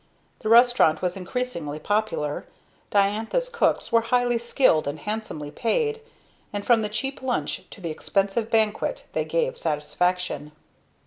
The restaurant was increasingly popular; Diantha's cooks were highly skilled and handsomely paid, and from the cheap lunch to the expensive banquet they gave satisfaction.